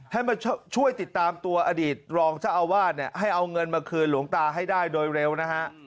ให้มาช่วยติดตามตัวอดีตรองเจ้าอาวาสเนี่ยให้เอาเงินมาคืนหลวงตาให้ได้โดยเร็วนะฮะ